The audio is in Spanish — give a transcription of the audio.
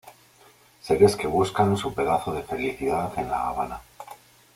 Seres que buscan su pedazo de felicidad en La Habana.